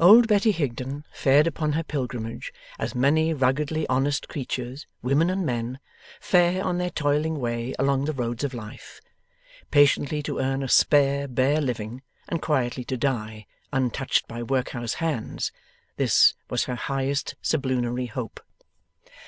Old Betty Higden fared upon her pilgrimage as many ruggedly honest creatures, women and men, fare on their toiling way along the roads of life. Patiently to earn a spare bare living, and quietly to die, untouched by workhouse hands this was her highest sublunary hope.